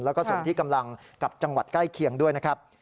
แล้วก็ส่งที่กำลังกับจังหวัดใกล้เคียงด้วยนะครับ